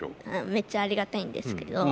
めっちゃありがたいんですけど。